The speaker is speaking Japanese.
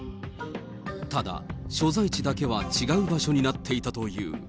ただ、所在地だけは違う場所になっていたという。